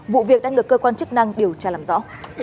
vụ việc đang được cơ quan chức năng điều tra làm rõ